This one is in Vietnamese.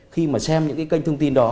khi mà xem những cái kênh thông tin đó